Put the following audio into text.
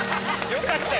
よかったよ！